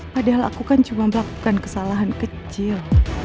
padahal aku kan cuma melakukan kesalahan kecil